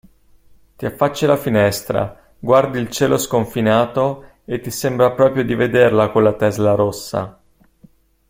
Ti affacci alla finestra, guardi il cielo sconfinato e ti sembra proprio di vederla quella Tesla rossa.